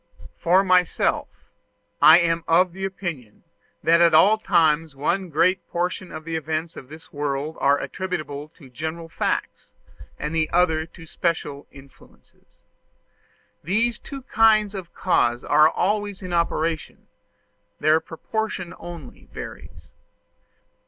For myself, I am of opinion that at all times one great portion of the events of this world are attributable to general facts, and another to special influences. These two kinds of cause are always in operation: their proportion only varies.